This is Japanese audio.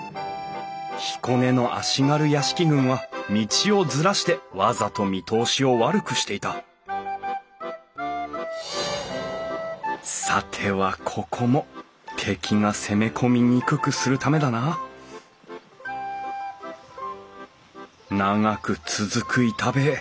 彦根の足軽屋敷群は道をずらしてわざと見通しを悪くしていたさてはここも敵が攻め込みにくくするためだな長く続く板塀。